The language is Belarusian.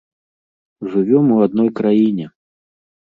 Жывём у адной краіне.